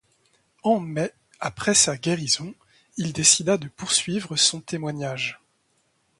En mai, après sa guérison, il décida de poursuivre son témoignage.